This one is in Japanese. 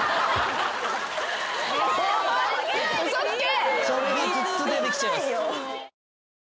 嘘つけ！